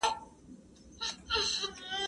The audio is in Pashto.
ايا ته نان خورې!.